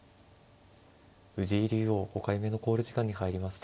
藤井竜王５回目の考慮時間に入りました。